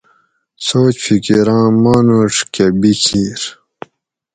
سوچ فیکیراۤں مانوڄ کہۤ بیکھیر